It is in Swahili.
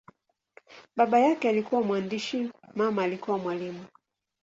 Baba yake alikuwa mwandishi, mama alikuwa mwalimu.